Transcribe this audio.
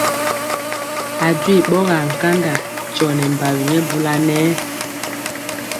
A jwi ɓɔgaa nkanda tyɔ nɛ mbawi nyɛ bula nɛ.